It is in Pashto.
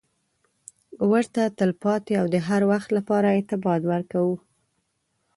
ورته تل پاتې او د هروخت لپاره اعتبار ورکوو.